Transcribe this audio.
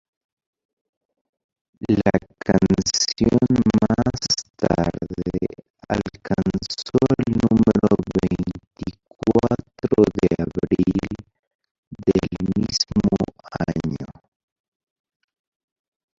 La canción más tarde alcanzó el número veinticuatro de abril del mismo año.